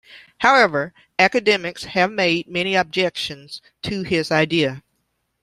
However, academics have made many objections to his idea.